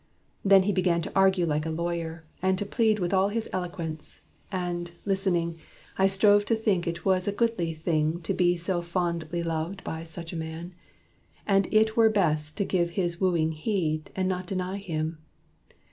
Then he began To argue like a lawyer, and to plead With all his eloquence. And, listening, I strove to think it was a goodly thing To be so fondly loved by such a man, And it were best to give his wooing heed, And not deny him.